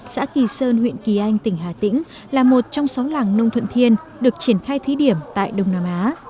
xã kỳ sơn huyện kỳ anh tỉnh hà tĩnh là một trong sáu làng nông thuận thiên được triển khai thí điểm tại đông nam á